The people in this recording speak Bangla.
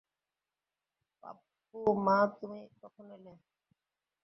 পাপ্পু, মা, তুমি কখন এলে?